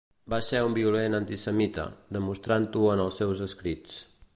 Va ser un violent antisemita, demostrant-ho en els seus escrits.